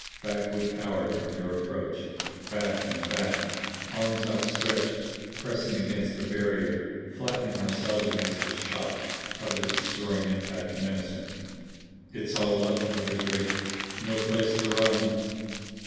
Back we cowered from their approach back and back; arms outstretched, pressing against the barrier, flattening ourselves against the shock of the destroying impact menacing. "It's all up," muttered Drake. "No place to run.